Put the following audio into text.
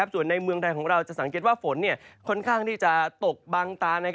ส่วนในเมืองไทยของเราจะสังเกตว่าฝนค่อนข้างที่จะตกบางตา